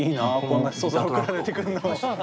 こんな素材送られてくるの。